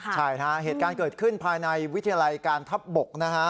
ใช่นะฮะเหตุการณ์เกิดขึ้นภายในวิทยาลัยการทัพบกนะฮะ